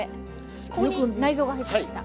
ここに内臓が入ってました。